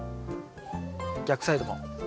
逆サイドも。